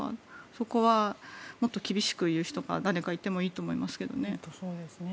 そこはもっと厳しく言う人が誰かいてもいいと思いますけどね。